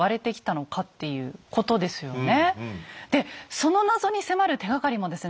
その謎に迫る手がかりもですね